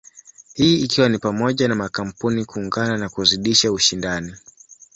Hii ikiwa ni pamoja na makampuni kuungana na kuzidisha ushindani.